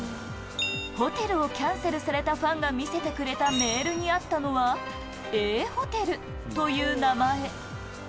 ホテルをキャンセルされたファンが見せてくれたメールにあったのは、Ａホテルという名前。